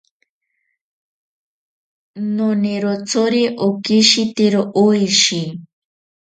Nonirotsori okishitiro oishi.